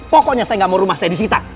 pokoknya saya nggak mau rumah saya disita